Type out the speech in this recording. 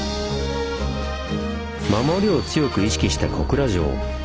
守りを強く意識した小倉城。